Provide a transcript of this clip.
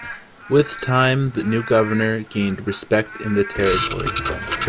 With time, the new Governor gained respect in the territory.